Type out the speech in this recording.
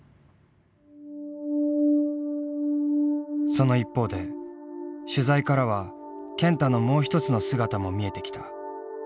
その一方で取材からは健太のもう一つの姿も見えてきた。